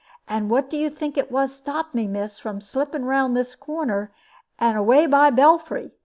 And what do you think it was stopped me, miss, from slipping round this corner, and away by belfry?